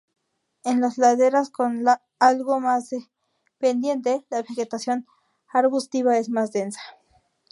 En las laderas con algo más de pendiente, la vegetación arbustiva es más densa.